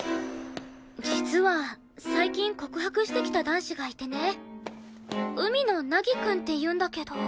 実は最近告白してきた男子がいてね海野凪くんっていうんだけど。